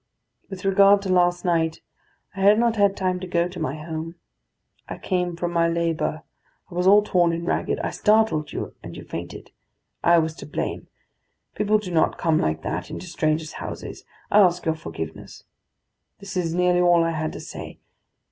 With regard to last night, I had not had time to go to my home. I came from my labour; I was all torn and ragged; I startled you, and you fainted. I was to blame; people do not come like that to strangers' houses; I ask your forgiveness. This is nearly all I had to say.